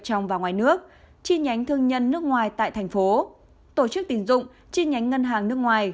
trong và ngoài nước chi nhánh thương nhân nước ngoài tại thành phố tổ chức tín dụng chi nhánh ngân hàng nước ngoài